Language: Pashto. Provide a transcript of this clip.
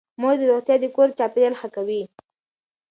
د مور روغتيا د کور چاپېريال ښه کوي.